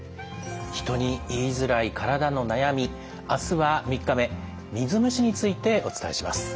「人に言いづらい体の悩み」明日は３日目水虫についてお伝えします。